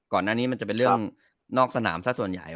ก่อนอันนี้มันจะเป็นเรื่องนอกสนามสักส่วนใหญ่